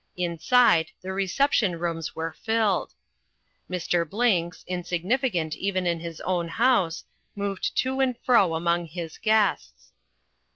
Inside the reception rooms were filled. Mr. Blinks, insignificant even in his own house, moved to and fro among his guests.